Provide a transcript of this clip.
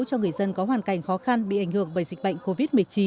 cho người dân có hoàn cảnh khó khăn bị ảnh hưởng bởi dịch bệnh covid một mươi chín